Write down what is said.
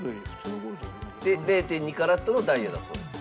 で０．２カラットのダイヤだそうです。